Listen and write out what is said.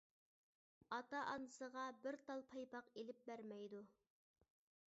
ئاتا ئانىسىغا بىر تال پايپاق ئېلىپ بەرمەيدۇ.